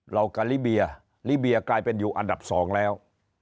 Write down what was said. กาลิเบียลิเบียกลายเป็นอยู่อันดับ๒แล้ว